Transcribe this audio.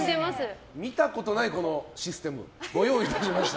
見たことないシステムをご用意いたしました。